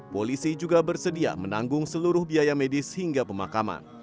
polisi juga bersedia menanggung seluruh biaya medis hingga pemakaman